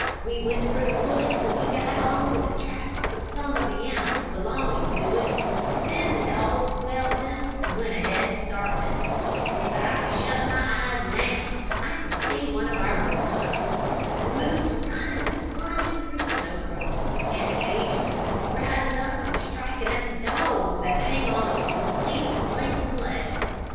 We went through the woods till we got on to the tracks of some of the animals belonging to it, then the dogs smelled them and went ahead to start them. If I shut my eyes now I can see one of our moose hunts. The moose running and plunging through the snow crust, and occasionally rising up and striking at the dogs that hang on to his bleeding flanks and legs.